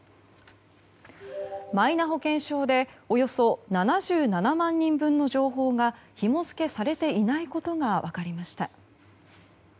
マイナ保険証でおよそ７７万人分の情報がひも付けされていないことが分かりました。